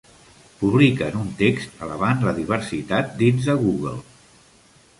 Publiquen un text alabant la diversitat dins de Google